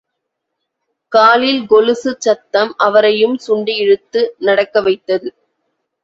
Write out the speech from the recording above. காலில் கொலுசுச் சத்தம், அவரையும் சுண்டி இழுத்து நடக்க வைத்தது.